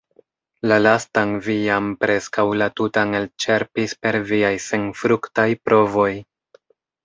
La lastan vi jam preskaŭ la tutan elĉerpis per viaj senfruktaj provoj.